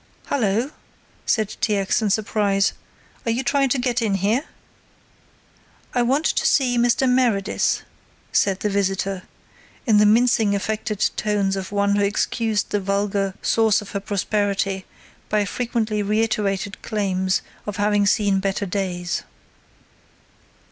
"Hullo," said T. X. in surprise, "are you trying to get in here?" "I want to see Mr. Meredith," said the visitor, in the mincing affected tones of one who excused the vulgar source of her prosperity by frequently reiterated claims to having seen better days.